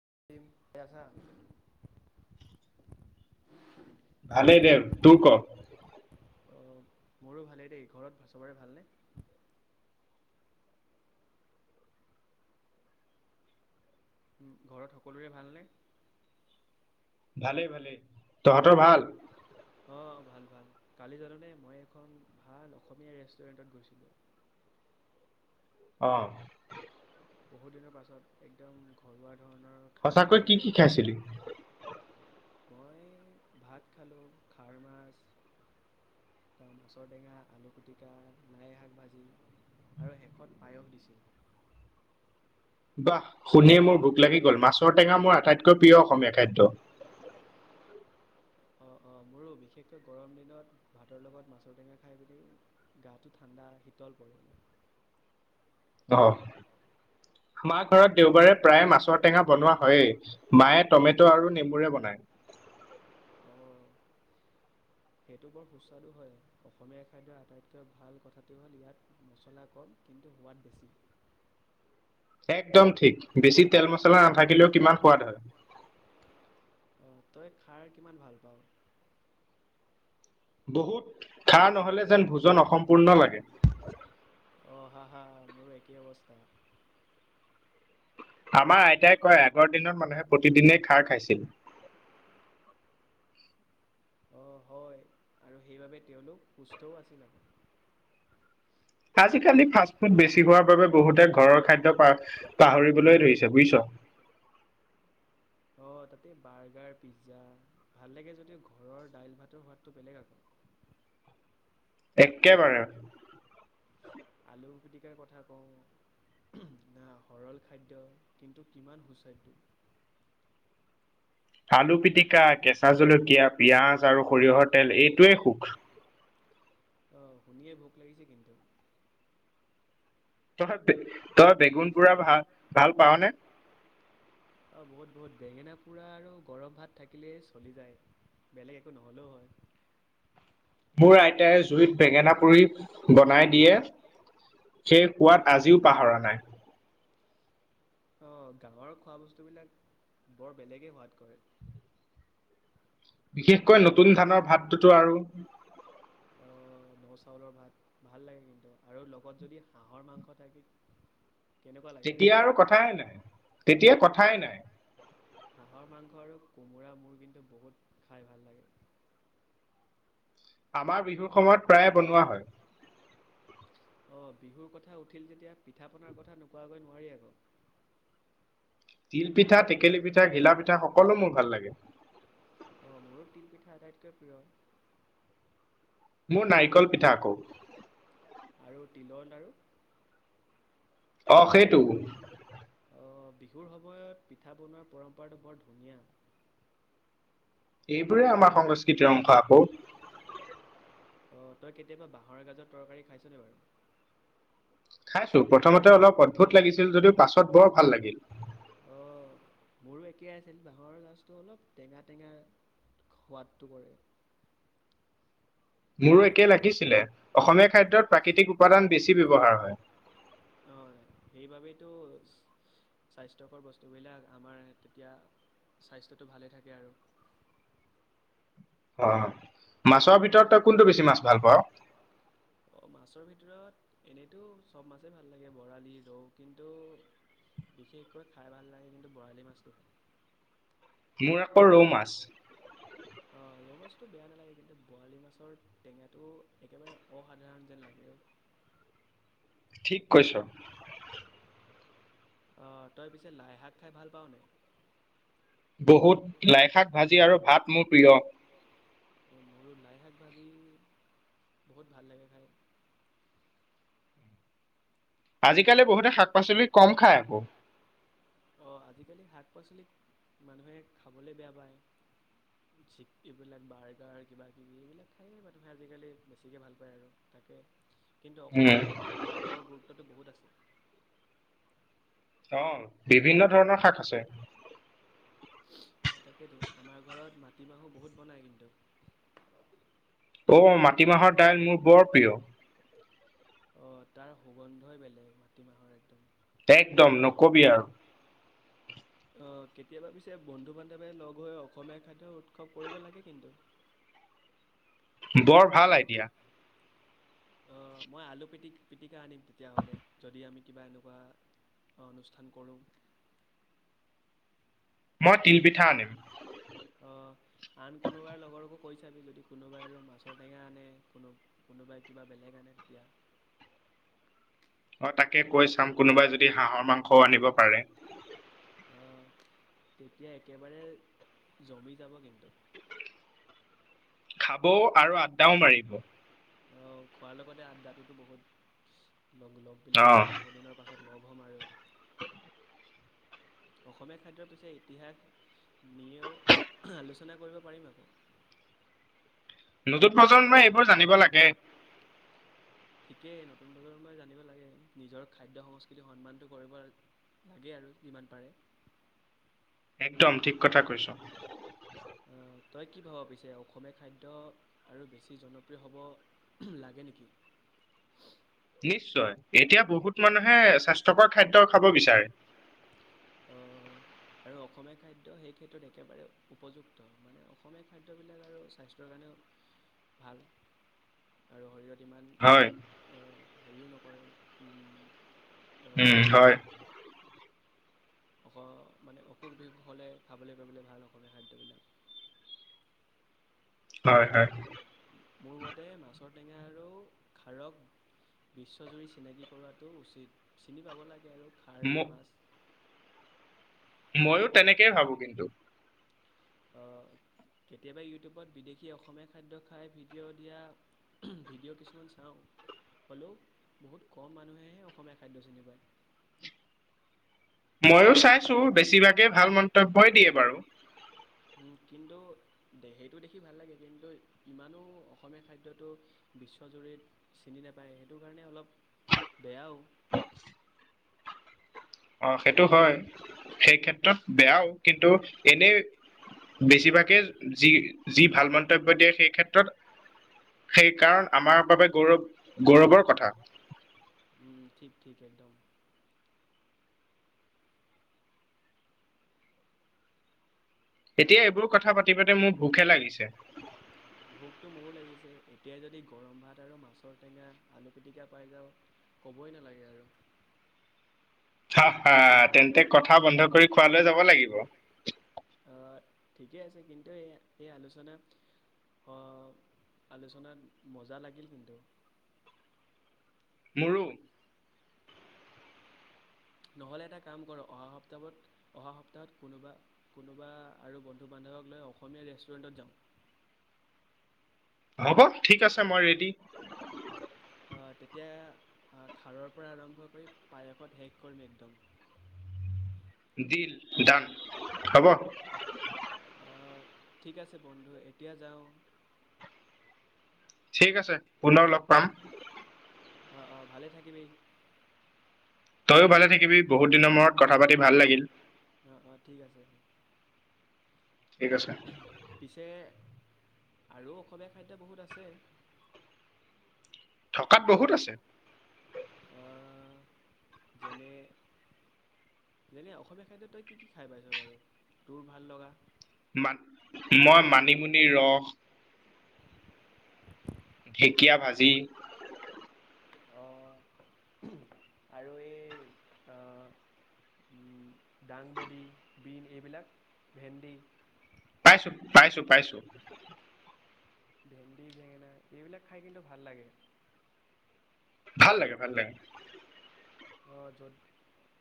আ [unintelligible] ম জছা ভালেই দে তোৰ ক অ মোৰো ভালেই দেই ঘৰত চবৰে ভালনে উ ঘৰত সকলোৰে ভালনে ভালেই ভালেই অ ভাল ভাল কালি জানোনে মই এখন ভাল অসমীয়া ৰেষ্টুৰেণ্টত গৈছিলো অ বহুত দিনৰ পাছত একদম ঘৰুৱা সঁচাকৈ কি কি খাইছিলি মই ভাত খালোঁ খাৰ মাছ তাৰ মাছৰটেঙা আলু পিটিকা লাই শাক ভাজি আৰু শেষত পায়স দিছিল বাহ শুনিয়ে মোৰ ভোক লাগি গ'ল মাছৰ টেঙা মোৰ আটাইতকৈ প্ৰিয় অসমীয়া খাদ্য অ অ মোৰো বিশেষকৈ গৰম দিনত ভাতৰ লগত মাছৰ টেঙা খাই পিনি গাটো ঠাণ্ডা শীতল পৰিল আহ মাক ঘৰত দেওবাৰে প্ৰায় মাছৰ টেঙা বনোৱা হয়েই মায়ে টমেট' আৰু নেমুৰে বনায় সেইটো বৰ সুস্বাদু হয় অসমীয়া খাদ্যৰ আটাইতকৈ ভাল কথাটো হ'ল ইয়াত মছলা কম কিন্তু সোৱাদ বেছি সেক একদম ঠিক বেছি তেল মছলা নাথাকিলেও কিমান সোৱাদ হয় তই খাৰ কিমান ভাল পাৱ বহুত খাৰ নহলে যেন ভোজন অসম্পূৰ্ণ লাগে অ হা হা হা মোৰো একেই অৱস্থা আমাৰ আইতাই কয় আগৰ দিনত মানুহে প্ৰতিদিনেই খাৰ খাইছিল অ হয় আৰু সেইবাবে তেওঁলোক সুস্থও আছিল আকৌ আজিকালি ফাষ্ট ফুড বেছি হোৱাৰ বাবে বহুতে ঘৰৰ খাদ্য পা পাহৰিবলৈ ধৰিছে বুজিছ? অ তাতে বাৰ্গাৰ পিজ্জা ভাল লাগে যদিও ঘৰৰ দাইল ভাতৰ সোৱাদটো বেলেগ আকৌ একে বাৰে আলু পিটিকাৰ কথা কওঁ না সৰল খাদ্য কিন্তু কিমান সুস্বাদ্যু আলু পিটিকা কেঁচা জলকীয়া পিঁয়াজ আৰু সৰিয়হৰ তেল এইটোৱেই সুখ আহ শুনিয়ে ভোক লাগিছে কিন্তু [unintelligible] তই বেগুন পু়ৰা ভাল ভাল পাওঁ নে? বহুত বেঙেনা পুৰা আৰু গৰম ভাত থাকিলেই চলি যায় বেলেগ একো নহ'লেও হয় মোৰ আইতাই জুইত বেঙেনা পুৰি বনাই দিয়ে সেই সোৱাদ আজিও পাহৰা নাই অ! গাওঁৰ খোৱা বস্তুবিলাক বৰ বেলেগেই সোৱাদ কৰে বিশেষকৈ নতুন ধানৰ ভাতটোতো আৰু অহ! ! ন চাউলৰ ভাত ভাল লাগে কিন্তু আৰু লগত যদি হাঁহৰ মাংস থাকে তেতিয়া আৰু কথাই নাই তেতিয়া কথাই নাই হাঁহৰ মাংস আৰু কোমোৰা মোৰ কিন্তু বহুত খাই ভাল লাগে আমাৰ বিহুত অসমত প্ৰায়ে বনোৱা হয় অ! বিহুৰ কথা উঠিল যেতিয়া পিঠা বনোৱাৰ কথা নোকোৱাকৈ নোৱাৰি আকৌ তিল পিঠা, টেকেলী পিঠা, গিলা পিঠা সকলো মোৰ ভাল লাগে তিলপিঠা আটাইতকৈ প্ৰিয় মোৰ নাৰিকল পিঠা আকৌ আৰু তিলৰ লাড়ু? অ সেইটো বিহুৰ সময়ত পিঠা বনোৱাৰ পৰম্পৰাটো বৰ ধুনীয়া এইবোৰে আমাৰ সংস্কৃতিৰ অংশ আকৌ অ! ! তই কেতিয়াবা বাঁহৰ গাজৰ তৰকাৰী খাইছনে বাৰু? খাইছোঁ তো প্ৰথমতে অলপ অদ্ভুত লাগিছিল যদিও পাছত বৰ ভাল লাগিল মোৰো একেই আছিল বাঁহৰ গাছটো অলপ টেঙা টেঙা সোৱাদটো কৰে মোৰো একে লাগিছিলে অসমীয়া খাদ্যত প্ৰাকৃতিক উপাদান বেছি ব্যৱহাৰ হয় সেইতো স্বাস্থ্যকৰ বস্তুবিলাক আমাৰ তেতিয়া স্বাস্থ্যটো ভালে থাকে আৰু অ মাছৰ ভিতৰত তই কোনটো বেছি মাছ ভাল পাৱ মাছৰ ভিতৰত এনেইতো চব মাছেই ভাল লাগে বৰালি ৰৌ কিন্তু বিশেষকৈ খাই ভাল লাগে কিন্তু বৰালি মাছটো খাই মোৰ ৰৌ মাছ টো বেয়া নালাগে কিন্তু বৰালি মাছৰ টেঙাটো একেবাৰে অসাধাৰণ যেন লাগে ঠিক কৈছ আহ তই পিছে লাইশাক খাই ভাল পাৱনে বহুত লাইশাক ভাজি আৰু ভাত মোৰ প্ৰিয় মোৰো লাইশাক ভাজি বহুত ভাল লাগে খাই আজি আজি কালি বহুতে শাক পাচলি কম খাই কহ আজিকালি শাক পাচলি মানুহে খাবলৈ বেয়া পায় এইবিলাক বাৰ্গাৰ কিবাকিবি এইবিলাক খায়েই মানুহে আজিকালি বেছিকৈ ভাল পায় আৰু তাকে কিন্তু অসমীয়া খাদ্যত শাকৰ গুৰুত্বটো বহুত আছে অহ বিভিন্ন ধৰণৰ শাক আছে তাকেতো আমাৰ ঘৰত মাটিমাহৰ বহুত বনাই কিন্তু অ মাটিমাহৰ দাইল মোৰ বৰ প্ৰিয় অ তাৰ সুগন্ধই বেলেগ মাটিমাহৰ একদম একদম ন কবি আৰু কেতিয়াবা পিছে বন্ধু বান্ধৱে লগ হৈ অসমীয়া খাদ্য উৎসৱ কৰিব লাগে কিন্তু বৰ ভাল আইডিয়া অ মই আলু পিটিকা পিটিকা যেতিয়া আনিম তেতিয়াহ'লে যদি আমি কিবা এনেকুৱা অনুষ্ঠান কৰোঁ মই তিল পিঠা আনিম অ আন কোনোবাৰ লগৰকো কৈছাবি যদি কোনোবাই আৰু মাছৰ টেঙা আনে কোনো কোনোবাই কিবা বেলেগ আনে তেতিয়া অ তাকে কৈ চাম কোনোবাই যদি হাঁহৰ মাংসও আনিব পাৰে অহ তেতিয়া একেবাৰে জমি যাব কিন্তু খাবও আৰু আড্ডাও মাৰিব অ খোৱাৰ লগতে আড্ডাটোতো বহুত লগ লগ বিলাক আমি বহু দিনৰ পাছত লগ হ'ম আৰু হে [inaudible] অসমীয়া খাদ্যৰ পিছে ইতিহাস নেও আলোচনা কৰিব পাৰিম আকৌ নতুন প্ৰজন্মই এইবোৰ জানিব লাগে সেই নতুন প্ৰজন্মই জানিব লাগে নিজৰ খাদ্য সংস্কৃতি সন্মানটো কৰিব লাগে আৰু যিমান পাৰে একদম ঠিক কথা কৈছো আহ তই কি ভাব পিছে অসমীয়া খাদ্য আৰু বেছি জনপ্ৰিয় হ'ব উমহ লাগে নেকি নিশ্চয় এতিয়া বহুত মানুহে স্বাস্থ্যকৰ খাদ্য খাব বিচাৰে আৰু অসমীয়া খাদ্য সেই ক্ষেত্ৰত একেবাৰে উপযুক্ত মানে অসমীয়া খাদ্যবিলাক আৰু স্বাস্থ্যৰ কাৰণেও ভাল আৰু শৰীৰৰ ইমান অ হেৰিও নক কৰে উ আমাৰ শৰীৰত উম হয় অ মানে অসুখ বিসুখ হ'লে খাবলে পাবলে ভাল অসমীয়া খাদ্যবিলাক হয় হয় মোৰ মতে মাছৰ টেঙা আৰু খাৰক বিশ্বজুৰি চিনাকি কৰাৱাটো উচিত চিনি পাব লাগে আৰু খাৰ মাছ ময়ো তেনেকেই ভাবো কিন্তু কেতিয়াবা ইউটিউবত বিদেশী অসমীয়া খাদ্য খাই ভিডিঅ' দিয়া ভিডিঅ' কিছুমান চাওঁ হ'লেও বহুত কম মানুহেহে অসমীয়া খাদ্য চিনি পায় ময়ো চাইছো বেছিভাগেই ভাল মন্তব্যই দিয়ে বাৰু কিন্তু দে সেইটো দেখি ভাল লাগে কিন্তু ইমানো অসমীয়া খাদ্যটো বিশ্বজুৰিত চিনি নেপায় সেইটো কাৰণে অলপ বেয়াও অ অ সেইটো হয় সেই ক্ষেত্ৰত বেয়াও কিন্তু এনেই বেছিভাগেই যি যি ভাল মন্তব্য দিয়ে সেই ক্ষেত্ৰত সেই কাৰণ আমাৰ বাবে গৌৰৱ গৌৰৱৰ কথা ঠিক ঠিক একদম এতিয়া এইবোৰ কথা পাতি পাতি মোৰ ভোক হে লাগিছে ভোকটো মোৰো লাগিছে এতিয়া যদি গৰম ভাত আৰু মাছৰ টেঙা আলু পিটিকা পাই যাওঁ কবই নালাগে আৰু হা হা তেন্তে কথা বন্ধ কৰি খোৱা লৈ যাব লাগিব ঠিকেই আছে কিন্তু এই এই আলোচনাত আহ আলোচনাত মজা লাগিল কিন্তু মোৰো নহ'লে এটা কাম কৰক অহা সপ্তাহত অহা সপ্তাহত কোনোবা কোনোবা আৰু বন্ধু বান্ধৱক লৈ অসমীয়া ৰেষ্টুৰেণ্টত যাওঁ হ'ব ঠিক আছে মই ৰেডি আহ তেতিয়া খাৰৰ পৰা আৰম্ভ কৰি পায়সত শেষ কৰিম একদম দিল ডান হ'ব আহ ঠিক আছে বন্ধু এতিয়া যাওঁ ঠিক আছে পুনৰ লগ পাম অ অ ভালে থাকিবি তইয়ো ভালে থাকিবি বহুত দিনৰ মূৰত কথা পাতি ভাল লাগিল অ অ ঠিক আছে ঠিক আছে আৰু অসমীয়া খাদ্য বহুত আছে থকাত বহুত আছে আহ যেনে যেনে অসমীয়া খাদ্য তই কি কি খাই পাইছ বাৰু তোৰ ভাল লগা মান মই মানিমুনি ৰস ঢেঁকীয়া ভাজি অ আৰু এই উ দাংবডী বিন এইবিলাক ভেন্দি পাইছোঁ পাইছোঁ পাইছোঁ ভেণ্ন্দি বেঙেনা এইবিলাক খাই কিন্তু ভাল লাগে ভাল লাগে ভাল লাগে অঁ য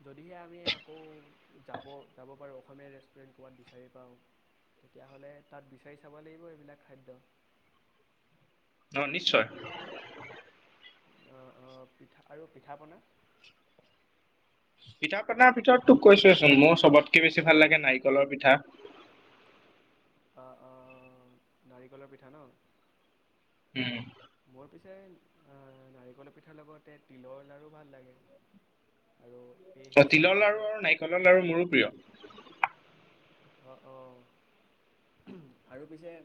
যদিহে আমি আকৌ যাব যাব পাৰোঁ অসমীয়া ৰেষ্টুৰেণ্ট ক'ৰবাত বিচাৰি পাওঁ তেতিয়াহ'লে তাত বিচাৰি চাব লাগিব এইবিলাক খাদ্য অঁ নিশ্চয় অঁ অঁ পিঠা আৰু পিঠা পনা কিতাপ নাৰ ভিতৰত তোক কৈছোৱেচোন মোৰ চবতকে বেছি ভাল লাগে নাৰিকলৰ পিঠা অঁ অঁ অঁ নাৰিকলৰ পিঠা ন মোৰ পিছে আহ নাৰিকলৰ পিঠাৰ লগতে তিলৰ লাৰু ভাল লাগে অ তিলৰ লাৰু আৰু নাৰিকলৰ লাৰু মোৰো প্ৰিয় অঁ অঁ আৰু পিছে আহ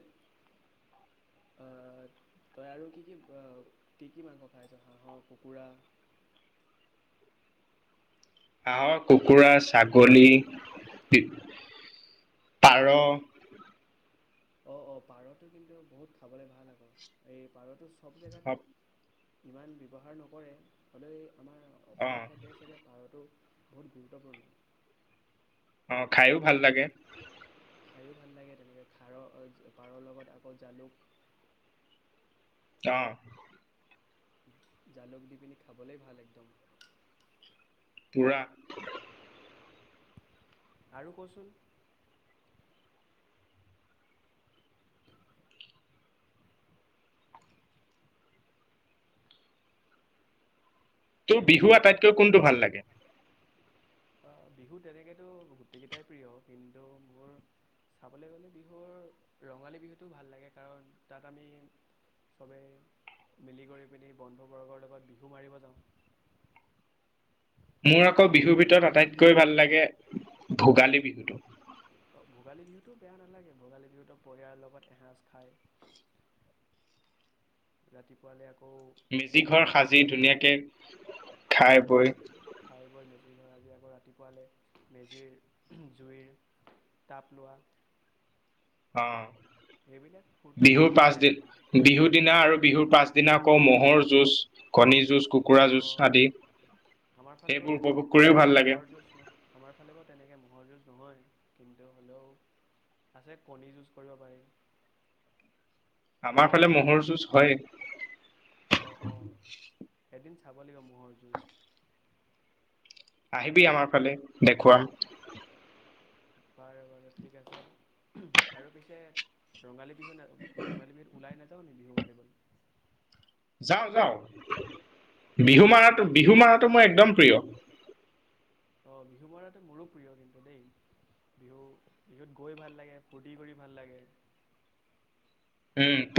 তই আৰু কি কি কি কি মাংস খাইছ হাঁহৰ কুকুৰা আঃহ কুকুৰা ছাগলী পাৰ অঁ অঁ পাৰটো কিন্তু বহুত খাবলে ভাল আকৌ এই পাৰটো সব জেগাত ইমান ব্যৱহাৰ নকৰে হ'লে আমাৰ অসমীয়া খাদ্য হিচাপে পাৰতো বহুত গুৰুত্বপূৰ্ণ অঁ খাই ওঁভাল লাগে খায়ো ভাল লাগে তেনেকৈ খাৰৰ পাৰৰ লগত আকৌ জালুক আহ জালুক দি পিনি খাবলৈ ভাল একদম পূৰা আৰু কচোন কি বিহু আটাইতকৈ কোনটো ভাল লাগে আহ বিহু তেনেকেতো গোটেইকেইটাই প্ৰিয় কিন্তু মোৰ চাবলৈ গলে বিহুৰ ৰঙালী বিহুটো ভাল লাগে কাৰণ তাত আমি চবেই মিলি কৰি পিনি বন্ধু বৰ্গৰ লগত বিহু মাৰিব যাওঁ মোৰ আকৌ বিহুৰ ভিতৰত আটাইতকৈ ভাল লাগে ভোগালী বিহুটো বেয়া নালাগে ভোগালী বিহুতো পৰিয়ালৰ লগত এসাঁজ খায় ৰাতিপুৱালে আকৌ মেজি ঘৰ সাজি ধুনীয়াকে খাই হয়ৈ মজি আকৌ ৰাতিপুৱালৈ মে জুই তাপ লোৱা অঁ বিহুৰ পাছদিন বিহু দিনা আৰু বিহুৰ পাছদিনা আকৌ ম'হৰ যুঁজ কণী যুঁজ কুকুৰা যুঁজ আদি সেইবোৰ উপভোগ কৰিও ভাল লাগে নহয় কিন্তু হ'লেও আছে কণী যুজ কৰিব পাৰি আমাৰ ফালে ম'হৰ যুঁজ হয় চাব লাগিব ম'হৰ যুঁজ আহিবি আমাৰ ফালে দেখুৱা বাৰে বাৰে ঠিক আছে আৰু পিছে ৰঙালী বি ৰঙালী বিধ ওলাই নায াৰমানে বিহু মাৰিবলৈ যাওঁ যাওঁক বিহু মাৰটো বিহু মাৰটো মোৰ একদম প্ৰিয় আহ বিহু বৰাটো মোৰো প্ৰিয় কিন্তু দেই বিহু বিহুত গৈ ভাল লাগে ফূুৰ্তি কৰি ভাল লাগে উম